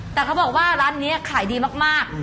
แต่เขาบอกว่าร้านนี้ขายดีมาก